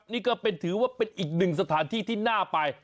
นี่ก็ถือว่าเป็นอีกหนึ่งสถานที่ที่น่าไป